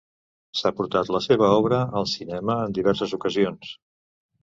S'ha portat la seva obra al cinema en diverses ocasions.